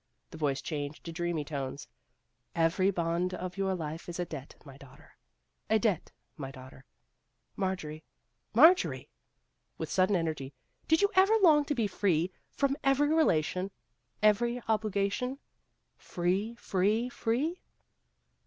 The voice changed to dreamy tones. "' Every bond of your life is a debt, my daughter ' a debt, my daughter. Marjorie, Marjorie !" with sudden energy, " did you ever long to be free from every relation every obligation free, free, free